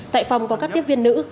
tại phòng có các tiếp viên nữ